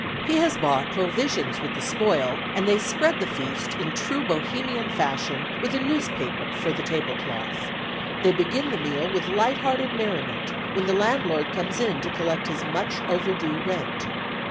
He has bought provisions with the spoil, and they spread the feast, in true Bohemian fashion, with a newspaper for table cloth. They begin the meal with light hearted merriment, when the landlord comes in to collect his much overdue rent.